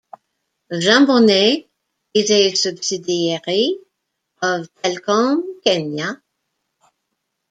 Jambonet is a subsidiary of Telkom Kenya.